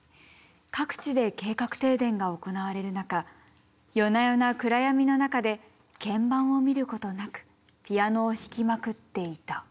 各地で計画停電が行われる中夜な夜な暗闇の中で鍵盤を見ることなくピアノを弾きまくっていた。